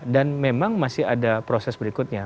dan memang masih ada proses berikutnya